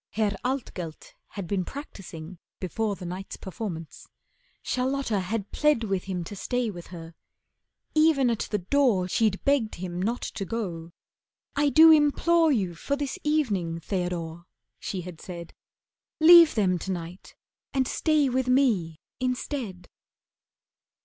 Herr Altgelt had been practising before The night's performance. Charlotta had plead With him to stay with her. Even at the door She'd begged him not to go. "I do implore You for this evening, Theodore," she had said. "Leave them to night, and stay with me instead."